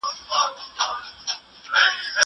سبزېجات د مور له خوا جمع کيږي!!